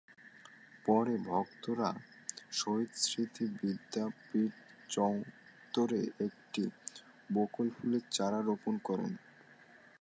পরে ভক্তরা শহীদ স্মৃতি বিদ্যাপীঠ চত্বরে একটি বকুল ফুলের চারা রোপণ করেন।